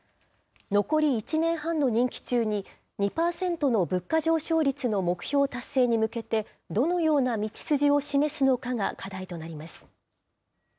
残り１年半の任期中に、２％の物価上昇率の目標達成に向けて、どのような道筋を示すのかが課題となります。